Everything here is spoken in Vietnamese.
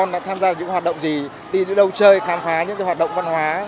các con đã tham gia những hoạt động gì đi đến đâu chơi khám phá những hoạt động văn hóa